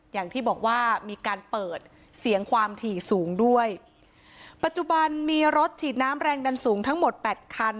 อย่างที่บอกว่ามีการเปิดเสียงความถี่สูงด้วยปัจจุบันมีรถฉีดน้ำแรงดันสูงทั้งหมดแปดคัน